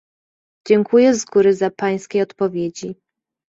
Dziękuję z góry za Pańskie odpowiedzi